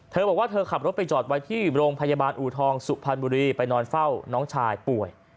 เธอบอกว่าเธอขับรถไปจอดไว้ที่โรงพยาบาลอูทองสุพรรณบุรีไปนอนเฝ้าน้องชายป่วย